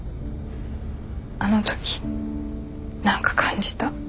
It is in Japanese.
あの時何か感じた。